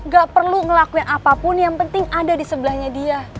gak perlu ngelakuin apapun yang penting ada di sebelahnya dia